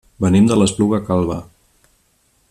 Venim de l'Espluga Calba.